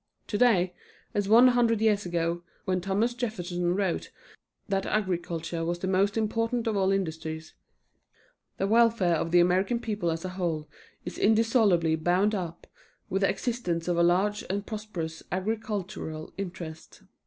Today, as one hundred years ago, when Thomas Jefferson wrote that agriculture was the most important of all industries, the welfare of the American people as a whole is indissolubly bound up with the existence of a large and prosperous agricultural interest.